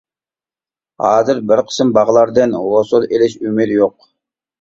ھازىر بىر قىسىم باغلاردىن ھوسۇل ئىلىش ئۈمىدى يوق.